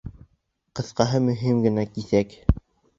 Ҡыҫҡаһы, мөһим генә киҫәк.